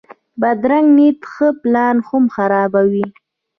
بدرنګه نیت ښه پلان هم خرابوي